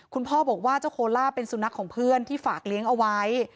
คุณพ่อบอกว่าเจ้าโคล่าเป็นสุนัขของเพื่อนที่ฝากเลี้ยงเอาไว้